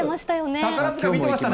宝塚見てましたよね。